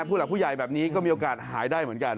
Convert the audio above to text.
ผู้หลักผู้ใหญ่แบบนี้ก็มีโอกาสหายได้เหมือนกัน